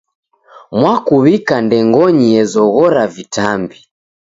Mwakuw'ika ndengonyi ezoghora vitambi.